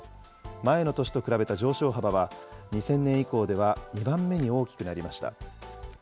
前の年と比べた上昇幅は、２０００年以降では２番目に大きくなりました。